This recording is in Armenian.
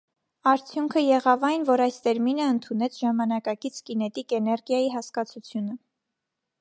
Արդյունքն եղավ այն, որ այս տերմինը ընդունեց ժամանակակից «կինետիկ էներգիայի» հասկացությունը։